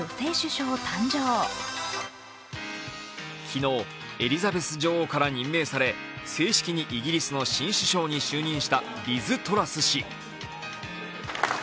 昨日、エリザベス女王から任命され正式にイギリスの新首相に就任したリズ・トラス氏。